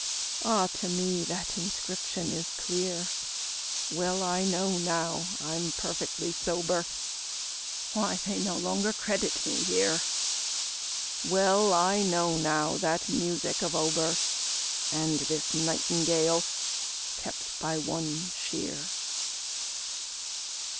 Ah! to me that inscription is clear; Well I know now, I'm perfectly sober, Why no longer they credit me here, Well I know now that music of Auber, And this Nightingale, kept by one Shear."